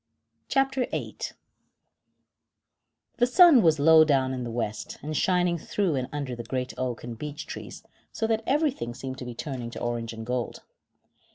CHAPTER VIII The sun was low down in the west, and shining through and under the great oak and beech trees, so that everything seemed to be turned to orange and gold.